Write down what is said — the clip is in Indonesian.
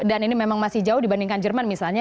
dan ini memang masih jauh dibandingkan jerman misalnya